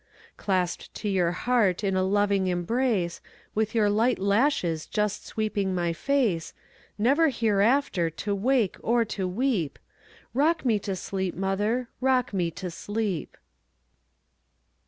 Clasped to your heart in a loving embrace, With your light lashes just sweeping my face, Never hereafter to wake or to weep;—Rock me to sleep, mother,—rock me to sleep!